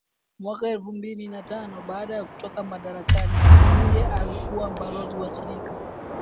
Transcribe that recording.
mwaka elfu mbili na tanoBaada ya kutoka madarakani Sumaye alikuwa Balozi wa Shirika